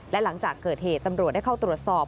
และหลังจากเกิดเหตุตำรวจได้เข้าตรวจสอบ